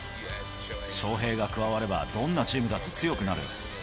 翔平が加わればどんなチームだって強くなる。